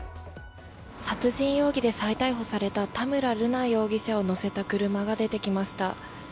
殺人容疑で再逮捕された田村瑠奈容疑者を乗せた車が出てきました。